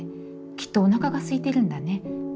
『きっとおなかがすいてるんだね』